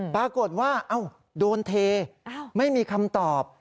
ปรากฏว่าโดนเทไม่มีคำตอบ